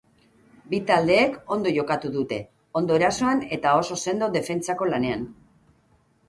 Bi taldeek ondo jokatu dute, ondo erasoan eta oso sendo defentsako lanean.